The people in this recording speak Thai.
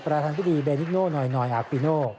ประธานธิบดีเบนิกโน่นอยนอยอาปิโน